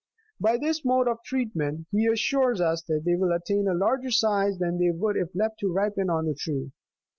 By this mode of treatment, he assures us, they will attain a larger size than they would if left to ripen on the tree.